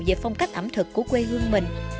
về phong cách ẩm thực của quê hương mình